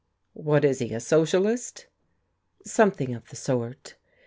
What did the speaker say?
"What is he, a Socialist?" "Something of the sort."